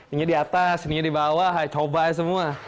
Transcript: ini di atas ininya di bawah coba semua